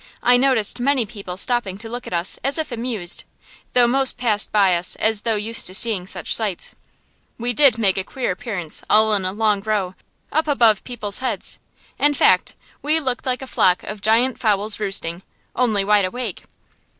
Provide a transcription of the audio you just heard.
I noticed many people stopping to look at us as if amused, though most passed by us as though used to such sights. We did make a queer appearance all in a long row, up above people's heads. In fact, we looked like a flock of giant fowls roosting, only wide awake.